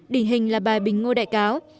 đỉnh hình là bài bình ngô đại cáo